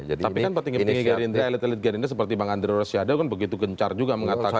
tapi kan petinggi petinggi garinda elit elit garinda seperti bang andrew rosiada kan begitu kencar juga mengatakan